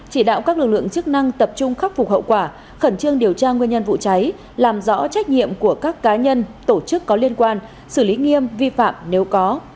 chỉ đạo các lực lượng chức năng tập trung khắc phục hậu quả khẩn trương điều tra nguyên nhân vụ cháy làm rõ trách nhiệm của các cá nhân tổ chức có liên quan xử lý nghiêm vi phạm nếu có